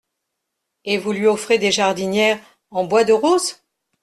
Et vous lui offrez des jardinières en bois de rose ?